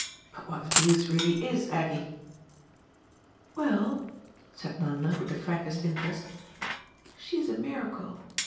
But what the deuce really IS Aggie?" "Well," said Nanda with the frankest interest, "she's a miracle.